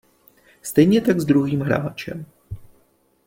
Stejně tak s druhým hráčem.